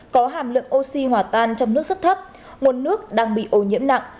có hàm lượng oxy hỏa tan trong nước rất thấp nguồn nước đang bị ô nhiễm nặng